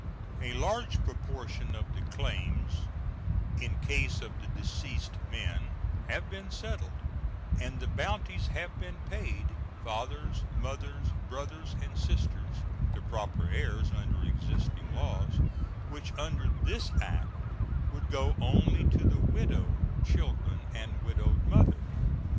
A large proportion of the claims in case of the deceased men have been settled, and the bounties have been paid fathers, mothers, brothers, and sisters, the proper heirs under existing laws, which under this act would go only to the widow, children, and widowed mother.